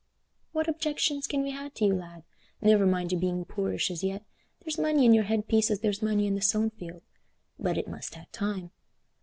"What objections can we ha' to you, lad? Never mind your being poorish as yet; there's money in your head piece as there's money i' the sown field, but it must ha' time.